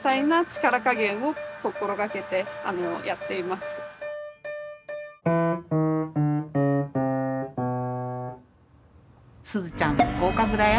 すずちゃん合格だよ。